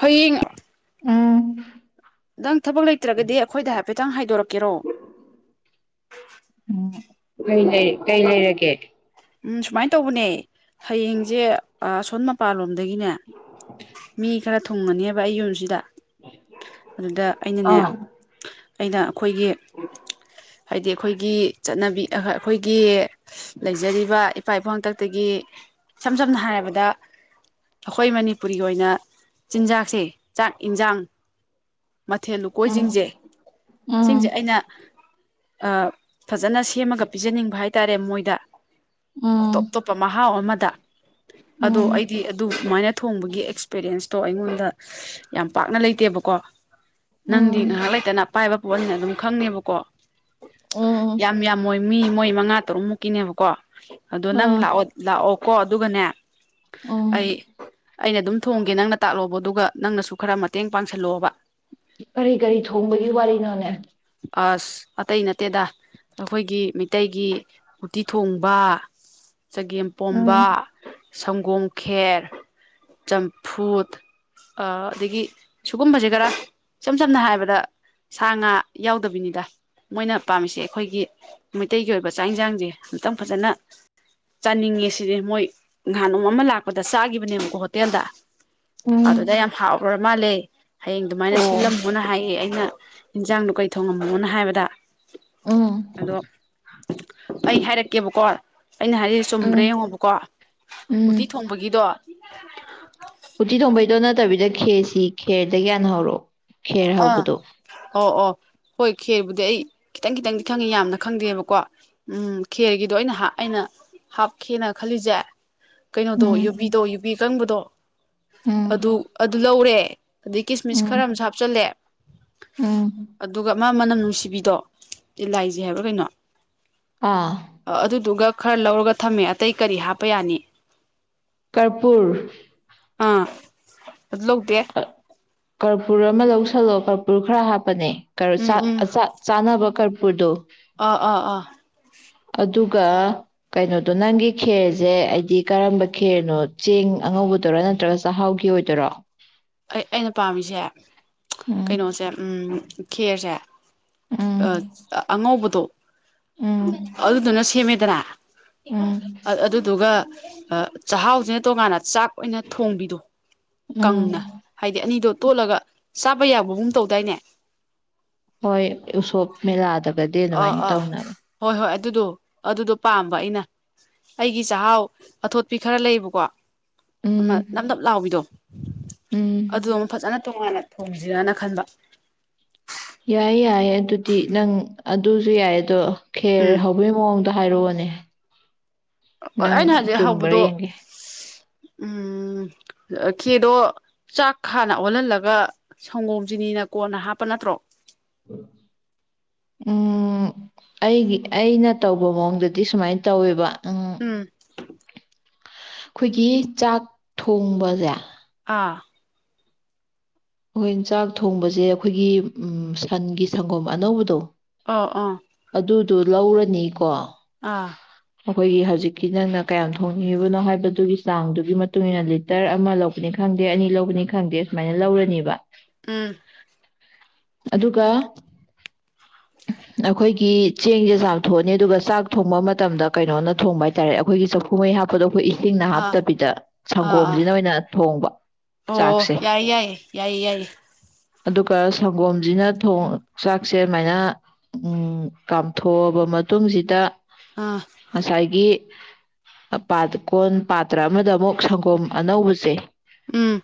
ꯍꯌꯡ ꯎꯝ ꯅꯪ ꯊꯕꯛ ꯂꯩꯇ꯭ꯔꯒꯗꯤ ꯑꯩꯈꯣꯏꯗ ꯍꯥꯏꯐꯦꯠꯇꯪ ꯍꯥꯏꯗꯣꯔꯛꯀꯦꯔꯣ ꯎꯝ ꯀꯩ ꯂꯩ ꯀꯩ ꯂꯩꯔꯒꯦ ꯎꯝ ꯁꯨꯃꯥꯏꯅ ꯇꯧꯕꯅꯦ ꯍꯌꯦꯡꯁꯦ ꯑꯁꯣꯟ ꯃꯄꯥꯟꯂꯣꯝ ꯑꯗꯒꯤꯅꯦ ꯃꯤ ꯈꯔ ꯊꯨꯡꯉꯅꯦꯕ ꯑꯩ ꯌꯨꯝꯁꯤꯗ ꯑꯗꯨꯗ ꯑꯩꯅꯅꯦ ꯑꯥ ꯑꯩꯅ ꯑꯩꯈꯣꯏꯒꯤ ꯍꯥꯏꯗꯤ ꯑꯩꯈꯣꯏꯒꯤ ꯆꯠꯅꯕꯤ ꯑꯩꯈꯣꯏꯒꯤ ꯂꯩꯖꯔꯤꯕ ꯏꯄꯥ ꯏꯄꯨ ꯍꯥꯛꯇꯛꯇꯒꯤ ꯏꯁꯝ ꯁꯝꯅ ꯍꯥꯏꯔꯕꯗ ꯑꯩꯈꯣꯏ ꯃꯅꯤꯄꯨꯒꯤ ꯑꯣꯏꯅ ꯆꯤꯟꯖꯥꯛꯁꯦ ꯆꯥꯛ ꯏꯟꯁꯥꯡ ꯃꯊꯦꯜ ꯎꯝ ꯂꯨꯀꯣꯏꯁꯤꯡꯁꯦ ꯎꯝ ꯁꯤꯡꯁꯦ ꯑꯩꯅ ꯐꯖꯅ ꯁꯦꯝꯃꯒ ꯄꯤꯖꯅꯤꯡꯕ ꯍꯥꯏ ꯇꯥꯔꯦ ꯃꯣꯏꯗ ꯎꯝ ꯇꯣꯞ ꯇꯣꯞꯄꯝ ꯃꯍꯥꯎ ꯀꯨꯠꯇ ꯑꯗꯣ ꯎꯝ ꯑꯩꯗꯤ ꯑꯗꯨꯃꯥꯏꯅ ꯊꯣꯡꯕꯒꯤ ꯑꯦꯛꯁꯄꯦꯔꯌꯦꯟꯁ ꯇꯣ ꯑꯩꯉꯣꯟꯗ ꯌꯥꯝ ꯄꯥꯛꯅ ꯂꯩꯇꯦꯕꯀꯣ ꯅꯪꯗꯤ ꯎꯝ ꯉꯥꯏꯍꯥꯛ ꯂꯩꯇꯅ ꯄꯥꯏꯕ ꯑꯣꯏꯅ ꯑꯗꯨꯝ ꯈꯪꯉꯦꯕꯀꯣ ꯎꯝ ꯌꯥꯝ ꯌꯥꯝꯣꯏ ꯃꯤ ꯃꯣꯏ ꯃꯉꯥ ꯇꯔꯨꯛ ꯃꯨꯛꯀꯤꯅꯦꯕꯀꯣ ꯑꯗꯣ ꯅꯪ ꯑꯥ ꯂꯥꯛꯑꯣ ꯂꯥꯛꯑꯣ ꯀꯣ ꯑꯗꯨꯒꯅꯦ ꯎꯝ ꯑꯩ ꯑꯩꯅ ꯑꯗꯨꯝ ꯊꯣꯡꯒꯦ ꯅꯪꯅ ꯇꯥꯛꯂꯣꯕ ꯑꯗꯨꯒ ꯅꯪꯅꯁꯨ ꯈꯔ ꯃꯇꯦꯡ ꯄꯥꯡꯁꯜꯂꯣꯕ ꯀꯔꯤ ꯀꯔꯤ ꯊꯣꯡꯕꯒꯤ ꯋꯥꯔꯤꯅꯣꯅꯦ ꯑꯁ ꯑꯇꯩ ꯅꯠꯇꯦꯗ ꯑꯩꯈꯣꯏꯒꯤ ꯃꯤꯇꯩꯩꯒꯤ ꯎꯇꯤ ꯊꯣꯡꯕ ꯆꯒꯦꯝꯄꯣꯝꯕ ꯎꯝ ꯁꯪꯒꯣꯝ ꯈꯦꯔ ꯆꯝꯐꯨꯠ ꯑꯗꯒꯤ ꯁꯨꯒꯨꯝꯕꯁꯦ ꯈꯔ ꯏꯆꯝ ꯁꯝꯅ ꯍꯥꯏꯔꯕꯗ ꯁꯥ ꯉꯥ ꯌꯥꯎꯗꯕꯤꯅꯤꯗ ꯃꯣꯏꯅ ꯄꯥꯝꯃꯤꯁꯦ ꯑꯩꯈꯣꯏꯒꯤ ꯃꯩꯇꯩꯒꯤ ꯑꯣꯏꯕ ꯆꯥꯛ ꯌꯦꯟꯁꯥꯡꯁꯦ ꯑꯝꯇꯪ ꯐꯖꯅ ꯆꯥꯅꯤꯡꯉꯦ ꯁꯤꯗꯤ ꯃꯣꯏ ꯅꯍꯥꯟ ꯅꯣꯡꯛ ꯑꯃ ꯂꯥꯛꯄꯗ ꯆꯥꯈꯤꯕꯅꯦꯕꯀꯣ ꯍꯣꯇꯦꯜꯗ ꯎꯝ ꯑꯗꯨꯗ ꯌꯥꯝ ꯍꯥꯎꯕ꯭ꯔꯣ ꯃꯥ ꯂꯩ ꯍꯌꯦꯡ ꯑꯗꯨꯃꯥꯏꯅ ꯑꯣ ꯁꯤꯜꯂꯝꯃꯣꯅ ꯍꯥꯏꯌꯦ ꯑꯩꯅ ꯏꯅꯖꯡꯗꯣ ꯀꯩꯅꯣ ꯊꯣꯡꯉꯝꯃꯣꯅ ꯍꯥꯏꯕꯗ ꯎꯝ ꯑꯗꯣ ꯑꯩ ꯍꯥꯏꯔꯛꯀꯦꯕꯀꯣ ꯑꯩꯅ ꯍꯥꯏꯔꯤꯁ ꯆꯨꯝꯕ꯭ꯔꯥ ꯎꯝ ꯌꯦꯡꯉꯣꯕꯀꯣ ꯎꯇꯤ ꯎꯝ ꯊꯣꯡꯕꯒꯤꯗꯣ ꯎꯠꯇꯤ ꯊꯣꯡꯕꯩꯗꯣ ꯅꯠꯇꯕꯤꯗ ꯈꯦꯔꯁꯤ ꯈꯦꯔꯗꯩꯩ ꯍꯅꯥ ꯍꯧꯔꯛꯑꯣ ꯈꯦꯔ ꯑꯥ ꯍꯧꯕꯗꯣ ꯑꯣ ꯑꯣ ꯍꯣꯏ ꯈꯦꯔꯕꯨꯗꯤ ꯑꯩ ꯈꯤꯇꯪ ꯈꯤꯇꯪꯗꯤ ꯈꯪꯉꯦ ꯌꯥꯝꯅ ꯈꯪꯗꯦꯕꯀꯣ ꯎꯝ ꯈꯦꯔꯒꯤꯗꯣ ꯑꯩꯅ ꯑꯩꯅ ꯍꯥꯞꯀꯦꯅ ꯈꯜꯂꯤꯁꯦ ꯀꯩꯅꯣꯗꯣ ꯎꯝ ꯌꯨꯕꯤꯗꯣ ꯌꯨꯕꯤ ꯑꯀꯪꯕꯗꯣ ꯎꯝ [inaudible] ꯑꯗꯨ ꯑꯗꯨ ꯂꯧꯔꯦ [inaudible] ꯑꯗꯩꯩ ꯀꯤꯁꯃꯤꯁ ꯎꯝ ꯈꯔ ꯑꯃ ꯍꯥꯞ ꯍꯥꯞꯆꯤꯜꯂꯦ ꯎꯝ ꯑꯗꯨꯒ ꯑꯃ ꯃꯅꯝ ꯅꯨꯡꯁꯤꯕꯤꯗꯣ ꯑꯦꯂꯥꯏꯖꯤ ꯍꯥꯏꯕ꯭ꯔꯥ ꯀꯩꯅꯣ ꯑꯥ ꯑꯗꯨꯗꯨꯒꯥ ꯈꯔ ꯂꯧꯔꯒ ꯊꯝꯃꯦ ꯑꯇꯩ ꯀꯔꯤ ꯍꯥꯞꯄ ꯌꯥꯅꯤ ꯀꯔꯄꯨꯔ [inaudible] ꯂꯧꯗꯦ ꯀꯔꯄꯨꯔ ꯑꯃ ꯂꯧꯁꯜꯂꯣ ꯀꯔꯄꯨꯔ ꯈꯔ ꯍꯥꯞꯄꯅꯦ ꯀꯨꯔ ꯎꯝ ꯆꯛ ꯎꯝ ꯆꯛ ꯆꯥꯅꯕ ꯀꯔꯄꯨꯔꯗꯣ ꯑꯥ ꯑꯥ ꯑꯥ ꯑꯗꯨꯒ ꯀꯩꯅꯣꯗꯣ ꯅꯪꯒꯤ ꯈꯦꯔꯁꯦ ꯍꯥꯏꯗꯤ ꯀꯔꯝꯕ ꯈꯦꯔꯅꯣ ꯆꯦꯡ ꯑꯉꯧꯕꯗꯔꯥ ꯅꯠꯇ꯭ꯔꯒ ꯆꯥꯛꯍꯥꯎꯒꯤ ꯑꯣꯏꯗꯣꯏꯔꯣ ꯑꯩ ꯑꯩꯅ ꯄꯥꯝꯃꯤꯁꯦ ꯎꯝ ꯀꯩꯅꯣꯁꯦ ꯎꯝ ꯈꯦꯔꯁ ꯁꯦ ꯎꯝ ꯑꯥ ꯑꯉꯧꯕꯗꯣ ꯎꯝ ꯑꯗꯨꯗꯨꯅ ꯁꯦꯝꯃꯦꯗꯅ ꯎꯝ ꯑꯗꯨꯗꯨꯒ ꯑꯥ ꯆꯥꯛꯍꯥꯎꯁꯤ ꯇꯣꯡꯉꯥꯟꯅ ꯆꯥꯛ ꯑꯣꯏꯅ ꯊꯣꯡꯕꯤꯗꯣ ꯀꯪꯅ ꯎꯝ ꯍꯥꯏꯗꯤ ꯑꯅꯤꯗꯣ ꯇꯣꯠꯂꯒ ꯆꯥꯕ ꯌꯥꯕꯒꯨꯝ ꯇꯧꯗꯥꯏꯅꯦ ꯍꯣꯏ ꯎꯁꯣꯞ ꯃꯦꯂꯥꯗꯕ ꯕꯗꯤ ꯑꯥ ꯑꯗꯨꯃꯥꯏꯅ ꯑꯥ ꯇꯧꯅꯕ ꯍꯣꯏ ꯍꯣꯏ ꯑꯗꯨꯗꯣ ꯑꯗꯨꯗꯣ ꯄꯥꯝꯕ ꯑꯩꯅ ꯑꯩꯒꯤ ꯆꯥꯛꯍꯥꯎ ꯑꯊꯣꯠꯄꯤ ꯈꯔ ꯂꯩꯕꯀꯣ ꯑꯃ ꯎꯝ ꯅꯞ ꯅꯞ ꯂꯥꯎꯕꯤꯗꯣ ꯎꯝ ꯑꯗꯨꯗ ꯑꯃ ꯐꯖꯅ ꯇꯣꯉꯥꯟꯅ ꯊꯣꯡꯁꯤꯔꯅ ꯈꯟꯕ ꯌꯥꯏ ꯌꯥꯏꯌꯦ ꯑꯗꯨꯗꯤ ꯅꯪ ꯑꯗꯨꯁꯨ ꯌꯥꯏ ꯑꯗꯣ ꯈꯦꯔ ꯎꯝ ꯍꯧꯕꯒꯤ ꯃꯑꯣ ꯍꯥꯏꯔꯛꯑꯣꯅꯦ ꯅꯪ ꯑꯩꯅ ꯍꯧꯖꯤꯛ ꯆꯨꯝꯕ꯭ꯔꯥ ꯍꯧꯕꯗꯣ ꯌꯦꯡꯒꯦ ꯎꯝ ꯈꯦꯔꯗꯣ ꯆꯥꯛ ꯍꯟꯅ ꯑꯣꯜꯍꯜꯂꯒ ꯁꯪꯒꯣꯝ ꯆꯤꯅꯤꯅ ꯀꯣꯟꯅ ꯍꯥꯞꯄ ꯅꯠꯇ꯭ꯔꯣ ꯎꯝ ꯑꯩꯒꯤ ꯑꯩꯅ ꯇꯧꯕ ꯃꯑꯣꯡꯗꯗꯤ ꯁꯨꯃꯥꯏꯅ ꯇꯧꯋꯦꯕ ꯎꯝ ꯑꯩꯈꯣꯏꯒꯤ ꯆꯥꯛ ꯊꯣꯡꯕꯁꯦ ꯑꯥ ꯑꯣꯏ ꯆꯥꯛ ꯊꯣꯡꯕꯁꯦ ꯑꯩꯈꯣꯏꯒꯤ ꯁꯟꯒꯤ ꯁꯪꯒꯣꯝ ꯑꯅꯧꯕꯗꯣ ꯑꯥ ꯑꯥ ꯑꯗꯨ ꯂꯧꯔꯅꯤꯀꯣ ꯑꯥ ꯑꯩꯈꯣꯏꯒꯤ ꯍꯧꯖꯤꯛꯀꯤ ꯅꯪꯅ ꯀꯌꯥꯝ ꯊꯣꯡꯉꯉꯤꯕꯅꯣ ꯍꯥꯏꯕꯗꯨꯒꯤ ꯆꯥꯡꯗꯨꯒꯤ ꯃꯇꯨꯡ ꯏꯟꯅ ꯂꯤꯇꯔ ꯑꯃ ꯂꯧꯕꯅꯤ ꯈꯪꯗꯦ ꯑꯅꯤ ꯂꯧꯕꯅꯤ ꯈꯪꯗꯦ ꯁꯨꯃꯥꯏꯅ ꯂꯧꯔꯅꯤꯕ ꯋꯥ ꯎꯝ ꯑꯗꯨꯒ ꯑꯩꯈꯣꯏꯒꯤ ꯆꯦꯡꯁꯦ ꯆꯥꯛ ꯊꯣꯛꯑꯅꯤ ꯑꯗꯨꯒ ꯆꯥꯛ ꯊꯣꯡꯕ ꯃꯇꯝꯗ ꯀꯩꯅꯣꯅ ꯊꯣꯡꯕ ꯍꯥꯏꯇꯥꯔꯦ ꯑꯩꯈꯣꯏꯒꯤ ꯆꯐꯨ ꯃꯍꯤ ꯍꯥꯞꯄꯗꯣ ꯏ ꯏꯁꯤꯡꯅ ꯑꯥ ꯍꯥꯞꯇꯕꯤꯗ ꯑꯥ ꯑꯥ ꯁꯪꯒꯣꯝꯁꯤꯅ ꯑꯣꯏꯅ ꯊꯣꯡꯕ ꯑꯣ ꯆꯥꯛꯁꯦ ꯌꯥꯏꯌꯦ ꯌꯥꯏꯌꯦ ꯌꯥꯏꯌꯦ ꯌꯥꯏꯌꯦ ꯑꯗꯨꯒ ꯁꯪꯒꯣꯝꯁꯤꯊꯣꯡ ꯆꯥꯛꯁꯦ ꯑꯗꯨꯃꯥꯏꯅ ꯀꯥꯝꯊꯣꯛꯑꯕ ꯃꯇꯨꯡꯁꯤꯗ ꯑꯥ ꯉꯁꯥꯏꯒꯤ ꯄꯥꯇ꯭ꯔ ꯀꯣꯟ ꯄꯥꯇ꯭ꯔ ꯑꯃꯗ ꯑꯃꯨꯛ ꯁꯪꯒꯣꯝ ꯑꯅꯧꯕꯁꯦ ꯎꯝ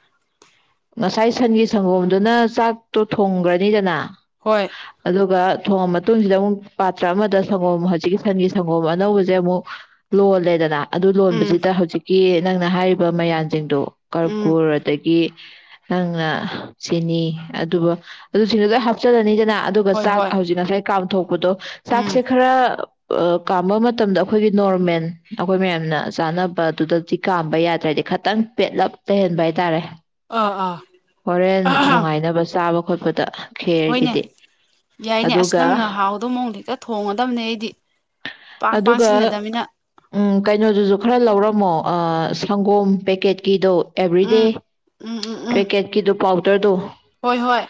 ꯉꯥꯁꯥꯏ ꯁꯟꯒꯤ ꯁꯪꯒꯣꯝꯗꯨꯅ ꯆꯥꯛꯇꯣ ꯊꯣꯡꯈ꯭ꯔꯅꯤꯗꯅ ꯍꯣꯏ ꯑꯗꯨꯒ ꯊꯣꯡꯉ ꯃꯇꯨꯡꯁꯤꯗ ꯑꯃꯨꯛ ꯄꯥꯇ꯭ꯔ ꯑꯃꯗ ꯁꯪꯒꯣꯝ ꯍꯧꯖꯤꯛꯀꯤ ꯁꯟꯒꯤ ꯁꯪꯒꯣꯝ ꯑꯅꯧꯕꯁꯦ ꯑꯃꯨꯛ ꯂꯣꯜꯂꯦꯗꯅ ꯑꯗꯨ ꯎꯝ ꯂꯣꯟꯕꯁꯤꯗ ꯍꯧꯖꯤꯛꯀꯤ ꯅꯪꯅ ꯍꯥꯏꯔꯤꯕ ꯃꯌꯥꯝꯁꯤꯡꯗꯣ ꯎꯝ ꯀꯔꯄꯨꯔ ꯑꯇꯥꯀꯤ ꯑꯪ ꯆꯤꯅꯤ ꯑꯗꯨꯒ ꯑꯗꯨꯁꯤꯡꯗꯨ ꯂꯣꯏ ꯍꯥꯞꯆꯜꯂꯅꯤ ꯅ ꯑꯗꯨꯒ ꯍꯣꯏ ꯆꯥꯛ ꯍꯣꯏ ꯍꯧꯖꯤꯛ ꯉꯁꯥꯏ ꯀꯥꯝꯊꯣꯛ ꯄꯨꯗꯣ ꯎꯝ ꯆꯥꯛꯁꯦ ꯈꯔ ꯀꯥꯝꯕ ꯃꯇꯝꯗ ꯑꯩꯈꯣꯏꯒꯤ ꯅꯣꯔꯃꯦꯜ ꯑꯩꯈꯣꯏ ꯃꯌꯥꯝꯅ ꯆꯥꯅꯕꯗꯨꯗꯗꯤ ꯀꯥꯝꯕ ꯌꯥꯗ꯭ꯔꯦ ꯈꯤꯇꯪ ꯄꯦꯠꯂꯞ ꯂꯩꯩꯍꯟꯕ ꯍꯥꯏꯇꯥꯔꯦ ꯑ ꯑꯥ ꯍꯣꯔꯦꯟ ꯑꯍꯝ ꯅꯨꯡꯉꯥꯏꯅꯕ ꯆꯥꯕ ꯈꯣꯠꯄꯗ ꯍꯣꯏꯅꯦ ꯈꯦꯔꯒꯤꯗꯤ ꯌꯥꯏꯅꯦ ꯑꯁ ꯑꯗꯨꯒ ꯅꯪꯅ ꯍꯥꯎꯗꯣ ꯃꯑꯣꯡ ꯍꯦꯛꯇ ꯊꯣꯡꯒꯗꯕꯅꯦ ꯑꯩꯗꯤ ꯄꯥꯛ ꯑꯗꯨꯒ ꯄꯥꯛꯁꯤꯟꯅꯗꯕꯅꯤꯅ ꯑ ꯁꯪꯒꯣꯝ ꯄꯦꯛꯀꯦꯠꯀꯤꯗꯣ ꯑꯦꯚ꯭ꯔꯤ ꯗꯦ ꯎꯝ ꯎꯝ ꯎꯝ ꯎꯝ ꯄꯦꯛꯀꯦꯠ ꯀꯤꯗꯣ ꯄꯥꯎꯗꯔꯗꯣ ꯍꯣꯏ ꯍꯣꯏ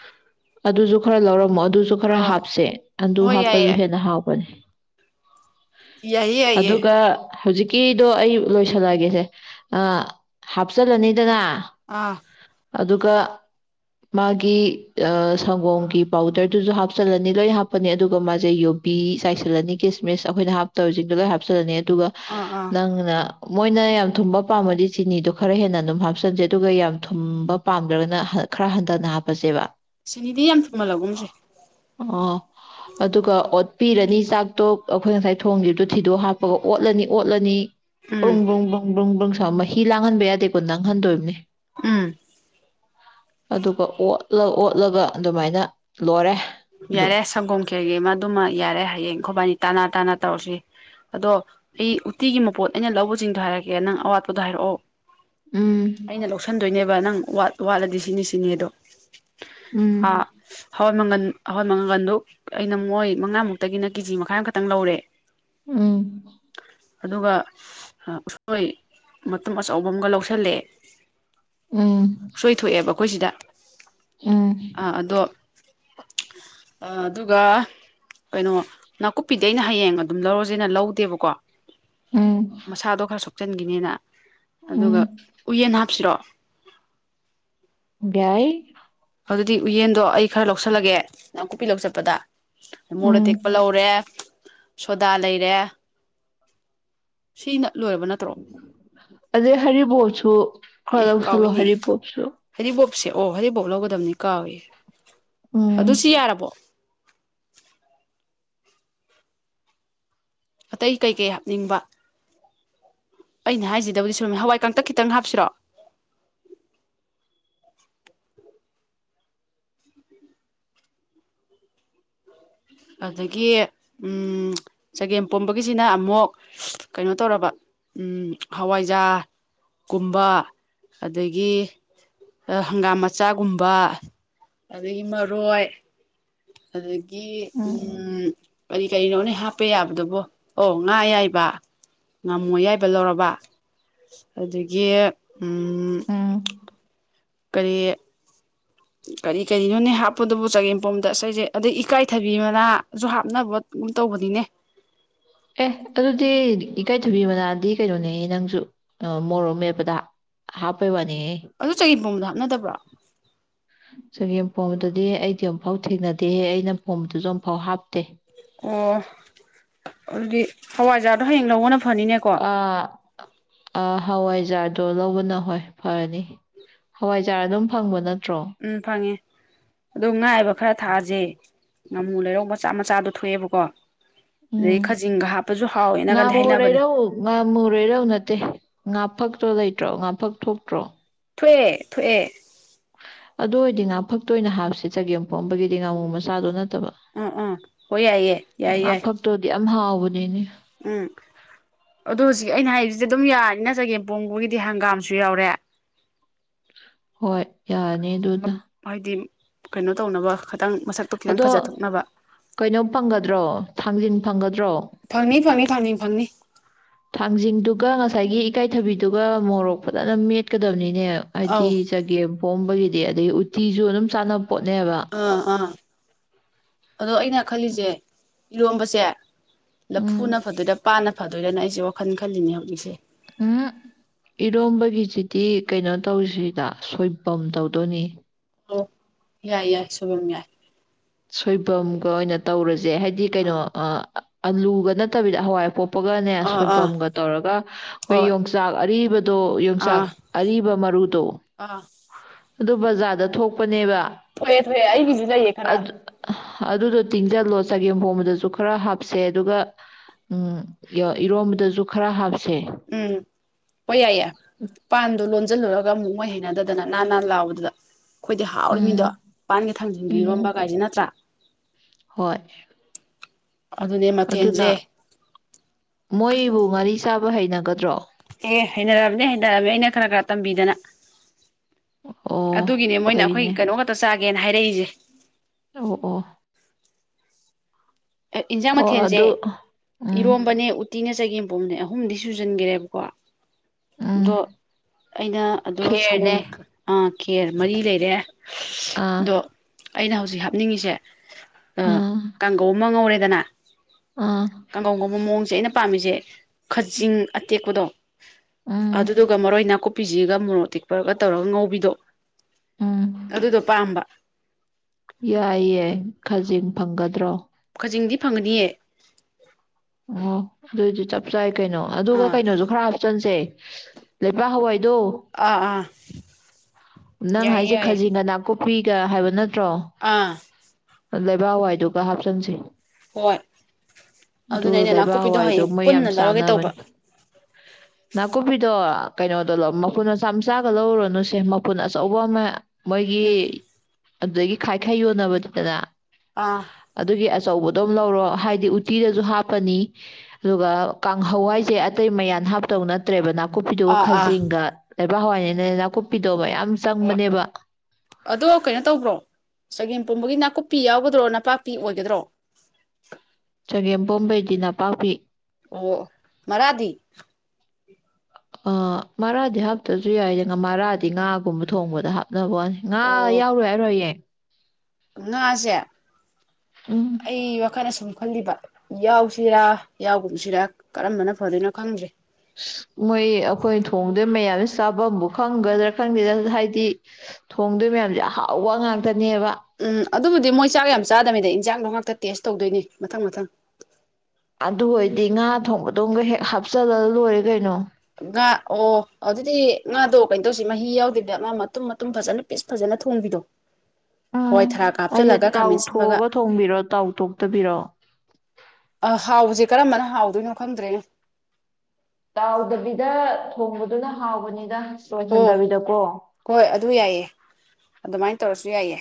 ꯑꯗꯨꯁꯨ ꯈꯔ ꯂꯧꯔꯝꯃꯣ ꯑꯗꯨꯁꯨ ꯈꯔ ꯑꯥ ꯍꯥꯞꯁꯦ ꯑꯗꯨ ꯍꯣꯏ ꯍꯥꯞꯄꯁꯨ ꯌꯥꯏꯌꯦ ꯍꯦꯟꯅ ꯍꯥꯎꯕꯅꯦ ꯌꯥꯏꯌꯦ ꯌꯥꯏꯌꯦ ꯑꯗꯨꯒ ꯍꯧꯖꯤꯛꯀꯤꯗꯣ ꯑꯩ ꯂꯣꯏꯁꯜꯂꯒꯦꯁꯦ ꯍꯥꯞꯆꯜꯂꯅꯤꯗꯅ ꯑꯥ ꯑꯗꯨꯒ ꯃꯥꯒꯤ ꯑ ꯁꯪꯒꯣꯝꯒꯤ ꯄꯥꯎꯗꯔꯗꯨꯁꯨ ꯍꯥꯞꯆꯜꯂꯅꯤ ꯂꯣꯏ ꯍꯥꯞꯄꯅꯤ ꯑꯗꯨꯒ ꯃꯥꯁꯦ ꯌꯨꯕꯤ ꯆꯥꯏꯁꯤꯜꯂꯅꯤ ꯀꯤꯁꯃꯤꯁ ꯑꯩꯈꯣꯏꯅ ꯍꯥꯞꯇꯧꯔꯤꯁꯤꯡꯗꯣ ꯂꯣꯏ ꯍꯥꯞꯆꯜꯂꯅꯤ ꯑꯗꯨꯒ ꯑꯥ ꯑꯥ ꯅꯪꯅ ꯃꯣꯏꯅ ꯌꯥꯝ ꯊꯨꯝꯕ ꯄꯥꯝꯃꯗꯤ ꯆꯤꯅꯤꯗꯣ ꯈꯔ ꯍꯦꯟꯅ ꯑꯗꯨꯝ ꯍꯥꯞꯆꯟꯖꯦ ꯑꯗꯨꯒ ꯌꯥꯝ ꯊꯨꯝꯕ ꯄꯥꯝꯗ꯭ꯔꯒꯅ ꯈꯔ ꯍꯟꯊꯅ ꯍꯥꯞꯄꯁꯦꯕ ꯁꯤꯅꯤꯗꯤ ꯌꯥꯝ ꯊꯨꯝꯍꯜꯂꯒꯨꯝꯁꯦ ꯑꯣ ꯑꯗꯨꯒ ꯑꯣꯠꯄꯤꯔꯅꯤ ꯆꯥꯛꯇꯣ ꯑꯩꯈꯣꯏ ꯉꯁꯥꯏ ꯊꯣꯡꯒꯤꯅꯗꯣ ꯊꯤꯗꯣꯛꯑ ꯍꯥꯞꯄꯒ ꯑꯣꯠꯂꯅꯤ ꯑꯣꯠꯂꯅꯤ ꯎꯝ ꯨꯕꯨ꯭ꯔꯡ ꯕꯨ꯭ꯔꯡ ꯕꯨ꯭ꯔꯡ ꯕꯨ꯭ꯔꯡ ꯕ꯭ꯔꯁ ꯃꯍꯤ ꯂꯥꯡꯍꯟꯕ ꯌꯥꯗꯦꯀꯣ ꯅꯪꯍꯟꯗꯣꯏꯕꯅꯤ ꯎꯝ ꯑꯗꯨꯒ ꯑꯣꯠꯂ ꯑꯣꯠꯂꯒ ꯑꯗꯨꯃꯥꯏꯅ ꯂꯣꯏꯔꯦ ꯑꯗꯨ ꯌꯥꯔꯦ ꯁꯪꯒꯣꯝ ꯈꯦꯔꯒꯤ ꯑꯃ ꯑꯗꯨꯃ ꯌꯥꯔꯦ ꯍꯌꯦꯡ ꯑꯩꯈꯣꯏꯕꯅꯤ ꯇꯅꯥ ꯇꯥꯅ ꯇꯧꯔꯁꯤ ꯑꯗꯣ ꯑꯩ ꯎꯇꯤꯒꯤ ꯃꯄꯣꯠ ꯑꯩꯅ ꯂꯧꯕꯁꯤꯡꯗꯣ ꯍꯥꯏꯔꯛꯀꯦ ꯅꯪ ꯑꯋꯥꯠꯄꯗꯣ ꯍꯥꯏꯔꯛꯑꯣ ꯎꯝ ꯑꯩꯅ ꯂꯧꯁꯟꯗꯣꯏꯅꯦꯕ ꯅꯪ ꯋꯥꯠ ꯋꯥꯠꯂꯗꯤ ꯁꯤꯅꯤ ꯁꯤꯅꯦ ꯑꯗꯣ ꯎꯝ ꯑ ꯍ ꯃꯪꯒꯟ ꯑꯍꯣꯏ ꯃꯉꯒꯜꯗꯨ ꯑꯩꯅ ꯃꯣꯏ ꯃꯉꯥꯃꯨꯛꯇꯒꯤꯅ ꯀꯦꯖꯤ ꯃꯈꯥꯏ ꯑꯃꯈꯛꯇꯪ ꯂꯧꯔꯦ ꯎꯝ ꯑꯗꯨꯒ ꯎꯁꯣꯏ ꯃꯇꯨꯝ ꯑꯆꯧꯕ ꯑꯃꯒ ꯂꯧꯁꯤꯜꯂꯛꯑꯦ ꯎꯝ ꯑꯩꯈꯣꯏ ꯁꯤꯗ ꯎꯝ ꯑꯥ [inaudible] ꯑꯗꯨꯒ ꯀꯩꯅꯣ ꯅꯥꯀꯨꯞꯄꯤꯗꯤ ꯑꯩꯅ ꯍꯌꯦꯡ ꯑꯗꯨꯝ ꯂꯧꯔꯁꯦꯅ ꯂꯧꯗꯦꯕꯀꯣ ꯎꯝ ꯃꯁꯥꯗꯣ ꯈꯔ ꯁꯣꯛ ꯆꯤꯟꯒꯤꯅꯤꯅ ꯑꯗꯨꯒ ꯎꯝ ꯎꯏꯌꯦꯟ ꯍꯥꯞ ꯁꯤꯔꯣ ꯌꯥꯏ ꯑꯗꯨꯗꯤ ꯎꯌꯦꯟꯗꯣ ꯑꯩ ꯈꯔ ꯂꯧꯁꯜꯂꯒꯦ ꯅꯥꯀꯨꯞꯄꯤ ꯂꯧꯕ ꯆꯠꯄꯗ ꯃꯣꯔꯣꯛ ꯎꯝ ꯑꯇꯦꯛꯄ ꯂꯧꯔꯦ ꯁꯣꯗꯥ ꯂꯩꯔꯦ ꯁꯤꯅ ꯂꯣꯏꯔꯕ ꯅꯠꯇ꯭ꯔꯣ ꯑꯗꯩ ꯍꯔꯤꯕꯣꯕꯁꯨ ꯑꯦ ꯈꯔ ꯂꯧꯁꯜꯂꯣ ꯀꯥꯎꯏꯅꯦ ꯍꯥꯔꯤꯕꯣꯞꯁꯨ ꯑꯣ ꯍꯩꯔꯤꯕꯣꯞ ꯂꯧꯒꯗꯕꯅꯤ ꯀꯥꯎꯏ ꯎꯝ ꯑꯗꯨꯁꯨ ꯌꯥꯔꯕꯣ ꯑꯇꯩ ꯀꯩꯀꯩ ꯍꯥꯞꯅꯤꯡꯕ ꯑꯩꯅ ꯍꯥꯏꯖꯤꯗꯕꯨꯗꯤ ꯁꯨꯝ ꯍꯋꯥꯏ ꯀꯥꯡꯇꯛ ꯈꯤꯇꯪ ꯍꯥꯞꯁꯤꯔꯣ ꯑꯗꯒꯤ ꯆꯒꯦꯝ ꯄꯣꯝꯕꯒꯤꯁꯤꯅ ꯑꯃꯨꯛ ꯀꯩꯅꯣ ꯇꯧꯔꯕ ꯍꯋꯥꯏꯖꯥꯒꯨꯝꯕ ꯑꯗꯒꯤ ꯍꯪꯒꯥꯝ ꯃꯆꯥꯒꯨꯝꯕ ꯑꯗꯒꯤ ꯃꯔꯣꯏ ꯑꯗꯨ ꯒꯤ ꯎꯝ ꯀꯔꯤ ꯀꯔꯤꯅꯣ ꯅꯦ ꯍꯥꯞꯄ ꯌꯥꯕꯗꯨꯕꯣ ꯑꯣ ꯉꯥ ꯑꯌꯥꯏꯕ ꯉꯥꯃꯨ ꯑꯌꯥꯏꯕ ꯂꯧꯔꯕ ꯑꯗꯒꯤ ꯎꯝ ꯎꯝ ꯀꯔꯤ ꯀꯔꯤ ꯀꯔꯤꯅꯣꯅꯦ ꯍꯥꯞꯄꯗꯨꯕꯨ ꯆꯒꯦꯝꯄꯣꯝꯕꯗ ꯑꯁꯦ ꯑꯗꯩ ꯏꯀꯥꯏꯊꯕꯤ ꯃꯅꯥꯁꯨ ꯍꯥꯞꯅꯕꯒꯨꯑꯝ ꯇꯧꯕꯅꯤꯅꯦ ꯏꯀꯥꯏ ꯊꯕꯤ ꯃꯅꯥꯗꯤ ꯀꯩꯅꯣꯅꯦ ꯅꯪꯁꯨ ꯃꯣꯔꯣꯛ ꯃꯦꯠꯄꯗ ꯍꯥꯞꯄꯩ ꯋꯥꯅꯤ ꯑꯗꯨ ꯆꯒꯦꯝꯕꯣꯝꯕꯗ ꯍꯥꯞꯅꯗꯕ꯭ꯔꯣ ꯆꯒꯦꯝ ꯄꯣꯝꯕꯗꯨꯗꯤ ꯑꯩꯗꯤ ꯑꯃꯨꯛꯐꯥꯎ ꯊꯦꯡꯅꯗꯦꯍꯦ ꯑꯩꯅ ꯄꯣꯝꯕꯗꯨꯁꯨ ꯑꯃꯨꯛꯐꯥꯎ ꯍꯥꯞꯇꯦ ꯑꯣ ꯑꯗꯨꯗꯤ ꯍꯋꯥꯏꯖꯥꯗꯣ ꯍꯌꯦꯡ ꯂꯧꯕꯅ ꯐꯅꯤꯅꯦꯀꯣ ꯑ ꯑ ꯍꯋꯥ ꯕꯖꯥꯔꯗꯣ ꯂꯧꯕꯅ ꯍꯣꯏ ꯐꯔꯅꯤ ꯍꯋꯥꯏꯖꯥꯔꯥ ꯑꯗꯨꯝ ꯐꯪꯕ ꯅꯠꯇ ꯎꯝ ꯐꯉꯦ ꯑꯗꯣ ꯉꯥ ꯑꯌꯥꯏꯕ ꯈꯔ ꯊꯥꯥꯛꯑꯁꯦ ꯉꯥꯃꯨ ꯂꯩꯔꯧ ꯃꯆꯥ ꯃꯆꯥꯗꯣ ꯊꯣꯛꯑꯦꯕꯀꯣ ꯑꯗꯩ ꯎꯝ ꯈꯥꯖꯤꯡꯒ ꯍꯥꯞꯄꯁꯨ ꯍꯥꯎꯋꯦꯅꯒꯗꯤ ꯉꯃꯨ ꯍꯥꯏꯅꯕꯅꯦ ꯂꯩꯔꯧ ꯉꯃꯨ ꯂꯩꯔꯧ ꯅꯠꯇꯦ ꯉꯥꯐꯛꯇꯣ ꯂꯩꯇ꯭ꯔꯣ ꯉꯥꯐꯛ ꯊꯣꯛꯇ꯭ꯔꯣ ꯊꯣꯛꯑꯦ ꯊꯣꯛꯑꯦ ꯑꯗꯨ ꯑꯣꯏꯔꯗꯤ ꯉꯥꯐꯛꯇꯣ ꯑꯣꯏꯅ ꯍꯥꯞꯁꯦ ꯆꯒꯦꯝ ꯄꯣꯝꯕꯒꯤꯗꯤ ꯉꯥꯃꯨ ꯃꯆꯥꯗꯣ ꯅꯠ ꯑ ꯑ ꯍꯣꯏ ꯌꯥꯏ ꯌꯥꯏ ꯌꯥꯏ ꯌꯥꯏ ꯉꯥꯐꯛꯇꯣꯗꯤ ꯌꯥꯝ ꯍꯥꯎꯕꯅꯤꯅꯦ ꯎꯝ ꯑꯗꯣ ꯍꯧꯖꯤꯛ ꯑꯩꯅ ꯍꯥꯏꯕꯁꯤꯗꯤ ꯑꯗꯨꯝ ꯌꯥꯅꯤꯅ ꯆꯒꯦꯝꯄꯣꯡꯕꯒꯤꯗꯤ ꯍꯪꯒꯥꯝꯁꯨ ꯌꯥꯎꯔꯦ ꯍꯣꯏ ꯌꯥꯅꯤ ꯑꯗꯨꯅ ꯍꯥꯏꯗꯤ ꯀꯩꯅꯣ ꯇꯧꯅꯕ ꯈꯤꯇꯪ ꯃꯁꯛꯇꯣ ꯈꯤꯇꯪ ꯑꯗꯣ ꯐꯖꯊꯣꯛꯅꯕ ꯀꯩꯅꯣ ꯐꯪꯒꯗ꯭ꯔꯣ ꯊꯥꯡꯖꯤꯡ ꯐꯪꯒꯗ꯭ꯔꯣ ꯐꯪꯅꯤ ꯐꯪꯅꯤ ꯊꯥꯡꯖꯤꯡ ꯐꯪꯅꯤ ꯊꯥꯡꯖꯤꯡꯗꯨꯒ ꯉꯁꯥꯏꯒꯤ ꯏꯀꯥꯏꯊꯕꯤꯗꯨꯒ ꯃꯣꯔꯣꯛ ꯐꯖꯅ ꯃꯦꯠꯀꯗꯕꯅꯤ ꯅꯦ ꯑꯧ ꯍꯥꯏꯗꯤ ꯆꯒꯦꯝ ꯄꯣꯝꯕꯒꯤ ꯑꯗꯩ ꯎꯠꯇꯤꯁꯨ ꯑꯗꯨꯝ ꯆꯥꯅꯕꯅꯤ ꯑꯥ ꯑꯥ ꯑꯗꯣ ꯑꯩꯅ ꯈꯜꯂꯤꯁꯦ ꯏꯔꯣꯝꯕꯁꯦ ꯎꯝ ꯂꯐꯨꯅ ꯐꯗꯣꯏꯔ ꯄꯥꯟꯅ ꯐꯗꯣꯏꯔꯅ ꯑꯩꯁꯦ ꯋꯥꯈꯜ ꯈꯜꯂꯤꯅꯦ ꯍꯧꯖꯤꯛꯁꯦ ꯎꯝ ꯍꯨ ꯏꯔꯣꯝꯕꯒꯤꯁꯤꯗꯤ ꯀꯩꯅꯣ ꯇꯧꯁꯤꯗ ꯁꯣꯏꯕꯝ ꯇꯧꯗꯣꯏꯅꯤ ꯑꯣ ꯌꯥꯏ ꯌꯥꯏ ꯁꯣꯏꯕꯨꯝ ꯌꯥꯏ ꯁꯣꯏꯕꯨꯝꯒ ꯑꯣꯏꯅ ꯇꯧꯔꯁꯦ ꯁꯦ ꯍꯥꯏꯗꯤ ꯀꯩꯅꯣ ꯑꯥ ꯑꯥꯂꯨꯒ ꯅꯠꯇꯕꯤꯗ ꯍꯋꯥꯏ ꯑꯄꯣꯞ ꯑꯗꯨꯅꯦ ꯑꯥ ꯑꯥ ꯁꯣꯏꯕꯨꯝꯒ ꯇꯧꯔꯒ ꯑꯩꯈꯣꯏ ꯍꯣꯏ ꯌꯣꯡꯆꯥꯛ ꯑꯔꯤꯕ ꯇꯣ ꯌꯣꯡꯆꯥꯛ ꯑꯥ ꯑꯔꯤꯕ ꯃꯔꯨꯗꯣ ꯑꯥ ꯑꯗꯨ ꯕꯖꯥꯔꯗ ꯊꯣꯛꯄꯅꯦꯕ ꯊꯣꯛꯑꯦ ꯊꯣꯛꯑꯦ ꯑꯩꯒꯤꯁꯨ ꯂꯩꯌꯦ ꯈꯔ ꯑꯗꯨ ꯑꯍ ꯑꯗꯨꯗꯣ ꯇꯤꯡꯖꯜꯂꯣ ꯆꯒꯦꯝ ꯍꯣꯝꯕꯗꯁꯨ ꯈꯔ ꯍꯥꯞꯁꯦ ꯑꯗꯨꯒ ꯎꯝ ꯏꯔꯣꯝꯕꯗꯁꯨ ꯈꯔ ꯍꯥꯞ ꯎꯝ ꯍꯣꯏ ꯌꯥꯏꯌꯦ ꯄꯥꯟꯗꯣ ꯂꯣꯟ ꯍꯥꯏꯖꯤꯜꯂꯨꯔꯒ ꯑꯃꯨꯛ ꯃꯣꯏ ꯍꯩꯅꯗꯗꯅ ꯅꯅꯥꯥꯟ ꯅꯅꯥꯥꯟ ꯂꯥꯎꯕꯗꯨꯗ ꯑꯩꯈꯣꯏꯗꯤ ꯍꯥꯎꯔꯤ ꯃꯤꯗꯣ ꯎꯝ ꯄꯥꯟꯒ ꯊꯥꯡꯖꯤꯡꯒ ꯏꯔꯣꯝꯕ ꯎꯝ ꯀꯥꯏꯁꯦ ꯅꯠꯇ꯭ꯔꯥ ꯍꯣꯏ ꯑꯗꯨꯅꯦ ꯑꯗꯨꯅ ꯃꯊꯦꯜꯁꯦ ꯃꯣꯏꯕꯨ ꯉꯔꯤ ꯆꯥꯕ ꯍꯩꯅꯒꯗ꯭ꯔꯣ ꯑꯦ ꯍꯩꯅꯔꯕꯅꯦ ꯍꯩꯅꯔꯕꯅꯦ ꯑꯩꯅ ꯈꯔ ꯈꯔ ꯇꯝꯕꯤꯗꯅ ꯑꯣ ꯑꯗꯨꯒꯤꯅꯦ ꯃꯣꯏꯅ ꯑꯩꯈꯣꯏ ꯐꯩꯅꯦ ꯀꯩꯅꯣ ꯈꯛꯇ ꯆꯥꯏ ꯒꯦꯅ ꯍꯥꯏꯔꯛꯏꯁꯦ ꯑꯣ ꯑꯣ ꯏꯟꯖꯥꯡ ꯑꯣ ꯃꯊꯦꯜꯁꯦ ꯑꯗꯨ ꯎꯝ ꯏꯔꯣꯝꯕꯅꯦ ꯎꯠ ꯇꯤꯅ ꯆꯒ ꯃ ꯄꯣ ꯑꯃꯅꯦ ꯑꯍꯨꯝꯗꯤ ꯁꯨꯖꯟꯈꯔꯦꯕꯀꯣ ꯑꯗꯣ ꯎꯝ ꯑꯩꯅ ꯑꯗꯣ ꯁꯡꯒꯣꯝ ꯈꯦꯔꯅꯦ ꯑ ꯈꯦꯔ ꯃꯔꯤ ꯂꯩꯔꯦ ꯑꯥ ꯑꯗꯣ ꯑꯩꯅ ꯍꯧꯖꯤꯛ ꯍꯥꯞꯅꯤꯡꯉꯤꯁꯦ ꯑ ꯑꯥ ꯀꯥꯡꯒꯧ ꯑꯃ ꯉꯧꯔꯦꯗꯅ ꯑꯥ ꯀꯥꯡꯒꯧꯉꯧꯕ ꯃꯑꯣꯡꯁꯦ ꯑꯩꯅ ꯄꯝꯃꯤꯖꯦ ꯈꯖꯤꯡ ꯑꯇꯦꯛꯄꯗꯣ ꯎꯝ ꯑꯗꯨꯗꯨꯒ ꯃꯔꯣꯏ ꯅꯥꯀꯨꯞ ꯄꯤꯖꯤꯒ ꯃꯣꯔꯣꯛ ꯇꯤꯛꯄꯔꯒ ꯇꯧꯔꯒ ꯉꯥꯎꯤꯗꯣ ꯎꯝ ꯑꯗꯨꯗꯣ ꯄꯥꯝꯕ ꯌꯥꯏꯌꯦ ꯈꯥꯖꯤꯡ ꯐꯪꯒꯗ꯭ꯔꯣ ꯈꯥꯖꯤꯡꯗꯤ ꯐꯪꯒꯅꯤꯌꯦ ꯑꯣ ꯑꯗꯨꯁꯨ ꯆꯞ ꯆꯥꯏ ꯀꯩꯅꯣ ꯑꯗꯨꯒ ꯑꯥ ꯀꯩꯅꯣꯁꯨ ꯈꯔ ꯍꯥꯞꯆꯟꯁꯦ ꯂꯩꯕꯥꯛ ꯍꯥꯋꯥꯏ ꯑꯗꯣ ꯑꯥ ꯑꯥ ꯅꯪ ꯌꯥꯏꯌꯦ ꯍꯥꯏꯁꯦ ꯌꯥꯏꯌꯦ ꯈꯖꯤꯛꯒ ꯅꯀꯨꯞ ꯍꯨꯏꯒ ꯍꯥꯏꯕ ꯅꯠ ꯑꯥ ꯂꯩꯕꯥꯛ ꯍꯋꯥꯏꯗꯨꯒ ꯍꯥꯞꯆꯤꯟꯁꯤ ꯍꯣꯏ ꯑꯗꯨꯅ ꯑꯗꯨ ꯑꯩꯅ ꯂꯩꯕꯥꯛ ꯅꯥꯀꯨꯞꯄꯤꯗꯣ ꯍꯋꯥꯏꯗꯣ ꯍꯌꯦꯡ ꯃꯣꯏ ꯌꯥꯝ ꯄꯨꯟꯅ ꯂꯧꯔꯒꯦ ꯇꯧꯕ ꯆꯥꯟꯅꯕꯅꯤ ꯅꯥꯀꯨꯞꯄꯤꯗꯣ ꯀꯩꯅꯣꯗꯣ ꯃꯄꯨꯟ ꯃꯆꯥꯝꯆꯥꯒ ꯂꯧꯔꯨꯔꯣꯅꯨꯁꯦ ꯃꯐꯨꯟ ꯑꯆꯧꯕ ꯑꯃ ꯃꯣꯏꯒꯤ ꯎꯝ ꯑꯗꯨꯗꯒꯤ ꯈꯥꯏ ꯈꯥꯏ ꯌꯣꯟꯅꯕꯅꯤꯗꯅ ꯑꯥ ꯑꯗꯨꯒꯤ ꯑꯁ ꯑꯆꯧꯕꯗꯣꯝ ꯂꯧꯔꯣ ꯍꯥꯏꯗꯤ ꯎꯇꯤꯗ ꯨ ꯍꯥꯞꯄꯅꯤ ꯑꯗꯨꯒ ꯀꯥꯡꯍꯋꯥꯏꯁꯦ ꯑꯇꯩ ꯃꯌꯥꯟ ꯍꯥꯞꯇꯧ ꯅꯠꯇ꯭ꯔꯦꯕ ꯅ ꯀꯣꯄꯤꯗꯨꯒ ꯑꯥ ꯑꯥ ꯈꯖꯤꯡꯒ ꯂꯩꯕꯥꯛ ꯍꯋꯥꯏꯅꯤꯅꯦ ꯅꯥꯀꯨꯞꯄꯤꯗꯣ꫰ꯌꯥꯝ ꯍꯣꯏ ꯑꯗꯣ ꯀꯩꯅꯣ ꯇꯧꯕ꯭ꯔꯣ ꯆꯒꯦꯝ ꯄꯣꯝꯕꯒꯤ ꯅꯥꯀꯨꯞꯄꯤ ꯌꯥꯎꯒꯗ꯭ꯔꯣ ꯅꯅꯥꯄꯥꯛꯄꯤ ꯑꯣꯏꯒꯗ꯭ꯔꯣ ꯆꯒꯦꯝ ꯄꯣꯝꯕꯩꯗꯤ ꯅꯝꯄꯛꯄꯤ ꯑꯣ ꯃꯔꯥꯗꯤ ꯑꯥ ꯃꯔꯥꯗꯤ ꯍꯥꯞꯇ꯭ꯔꯁꯨ ꯌꯥꯏꯗ ꯃꯔꯥꯗꯤ ꯉꯥꯒꯨꯝꯕ ꯊꯣꯡꯕꯗ ꯍꯥꯞꯅꯕ ꯋꯥꯅꯤ ꯉꯥ ꯑꯣ ꯌꯥꯎꯔꯣꯏ ꯍꯥꯏꯔꯣ ꯍꯥꯌꯦꯡ ꯉꯥꯁꯦ ꯎꯝ ꯑꯩ ꯋꯥꯈꯜꯅ ꯁꯨꯝ ꯈꯜꯂꯤꯕ ꯌꯥꯎꯁꯤꯔꯥ ꯌꯥꯎꯒꯨꯝꯁꯤꯔꯥ ꯀꯔꯝꯕꯅ ꯐꯗꯣꯏꯅꯣ ꯈꯪꯗ꯭ꯔꯦ ꯃꯣꯏ ꯑꯩꯈꯣꯏ ꯊꯣꯡꯗꯣꯏ ꯃꯌꯥꯝꯁꯦ ꯆꯥꯐꯝꯕꯨ ꯈꯪꯒꯗ꯭ꯔꯥ ꯈꯪꯗꯦꯗ ꯍꯥꯏꯗꯤ ꯊꯣꯡꯗꯣꯏ ꯃꯌꯥꯝꯁꯦ ꯑꯍꯥꯎꯋꯥ ꯉꯥꯛꯇ ꯎꯝ ꯑꯗꯨꯕꯨꯗꯤ ꯃꯣꯏ ꯆꯥꯛ ꯌꯥꯝ ꯆꯥꯗꯃꯤꯗ ꯏ ꯆꯤꯟꯖꯥꯛ ꯣ ꯉꯥꯛꯇ ꯇꯦꯁ ꯇꯧꯗꯣꯏꯅꯤ ꯃꯊꯪ ꯃꯊꯪ ꯑꯗꯨ ꯑꯣꯏꯔꯗꯤ ꯉꯥ ꯊꯣꯡꯕꯗꯣ ꯑꯃꯒ ꯍꯦꯛ ꯍꯥꯞꯆꯤꯜꯂ ꯂꯣꯏꯔꯦ ꯀꯩꯅꯣ ꯉꯥ ꯑꯣ ꯑꯗꯨꯗꯤ ꯉꯥꯗꯣ ꯀꯩꯅꯣ ꯇꯧꯁꯤ ꯃꯍꯤ ꯌꯥꯎꯗꯕꯤꯗ ꯉꯥ ꯃꯇꯨꯝ ꯃꯇꯨꯝ ꯐꯖꯅ ꯄꯤꯁ ꯐꯖꯅ ꯊꯣꯡꯕꯤꯗꯣ ꯍꯋꯥꯏ ꯎꯝ ꯊꯔꯥꯛꯀ ꯑꯩꯁꯦ ꯍꯥꯞꯆꯤꯜꯂꯒ ꯇꯥꯎ ꯈꯥꯃꯦꯟ ꯁꯤꯟꯕꯒ ꯊꯣꯛꯑꯒ ꯊꯣꯡꯕꯤꯔꯣ ꯇꯥꯎ ꯊꯣꯛꯇꯕꯤꯔꯣ ꯑ ꯍꯥꯎꯁꯦ ꯀꯔꯝꯕꯅ ꯍꯥꯎꯗꯣꯏꯅꯣ ꯈꯪꯗ꯭ꯔꯦꯅꯦ ꯇꯥꯎꯗꯕꯤꯗ ꯊꯣꯡꯕꯗꯨꯅ ꯍꯥꯎꯕꯅꯤꯗ ꯑꯣ ꯂꯣꯏꯍꯟꯗꯕꯤꯗꯀꯣ ꯍꯣꯏ ꯑꯗꯨ ꯌꯥꯏꯌꯦ ꯑꯗꯨꯃꯥꯏꯅ ꯇꯧꯔꯁꯨ ꯌꯥꯏꯌꯦ